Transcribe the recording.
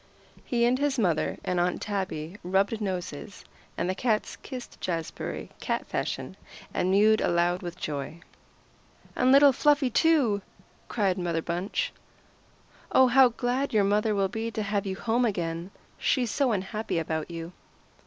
He and his mother and Aunt Tabby rubbed noses, and the cats kissed Jazbury, cat fashion, and mewed aloud with joy. "And little Fluffy, too!" cried Mother Bunch. "Oh, how glad your mother will be to have you home again. She's so unhappy about you."